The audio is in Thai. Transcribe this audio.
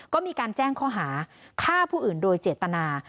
ก็มีการแจ้งข้อหาฆ่าผู้อื่นโดยเจตนา